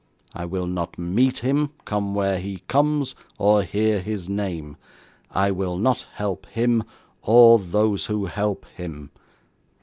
I will not meet him, come where he comes, or hear his name. I will not help him, or those who help him.